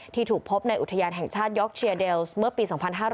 ถูกพบในอุทยานแห่งชาติยอกเชียเดลส์เมื่อปี๒๕๕๙